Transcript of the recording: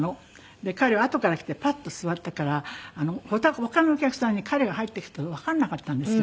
で彼はあとから来てパッと座ったから他のお客さんに彼が入ってきたのわかんなかったんですよ。